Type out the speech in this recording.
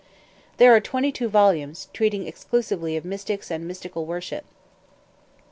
There are twenty two volumes, treating exclusively of mystics and mystical worship.